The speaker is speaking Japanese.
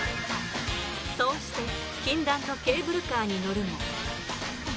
そうして禁断のケーブルカーに乗るも。